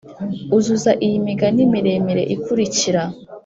Uzuza iyi migani miremire ikurikira